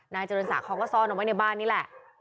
นายเจริญศาเขาก็ซ่อนออกไว้ในบ้านนี้แหละ